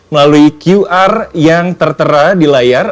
melalui qr yang tertera di layar